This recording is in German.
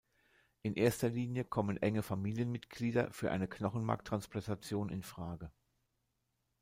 In erster Linie kommen enge Familienmitglieder für eine Knochenmarktransplantation in Frage.